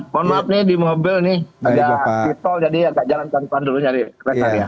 mohon maaf nih di mobil nih agak titol jadi agak jalan tanpa dulu nyari